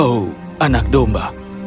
oh anak domba